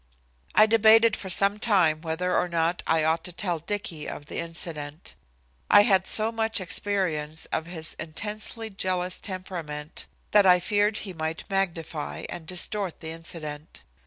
I debated for some time whether or not I ought to tell Dicky of the incident. I had so much experience of his intensely jealous temperament that I feared he might magnify and distort the incident.